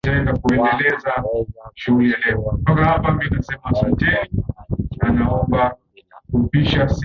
wa anaweza kuachiliwa kwa dhamana kwa madai kwamba alijiunga na kundi la